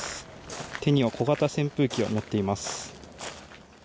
手には小型扇風機を持っています。